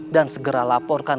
dan segera laporkan